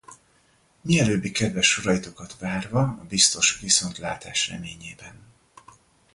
Mielőbbi kedves soraitokat várva, a biztos viszontlátás reményében.